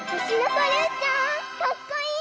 かっこいい！